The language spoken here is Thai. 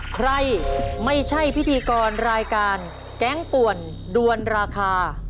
ใครไม่ใช่พิธีกรรายการแก๊งป่วนด้วนราคา